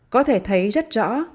có thể thấy rất rõ